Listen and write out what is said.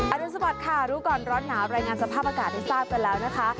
รุนสวัสดิ์ค่ะรู้ก่อนร้อนหนาวรายงานสภาพอากาศให้ทราบกันแล้วนะคะ